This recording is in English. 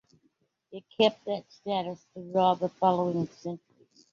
It kept that status through all the following centuries.